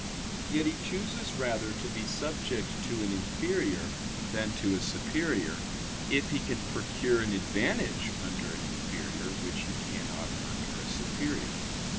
Yet he chooses rather to be subject to an inferior than to a superior, if he can procure an advantage under an inferior which he cannot under a superior.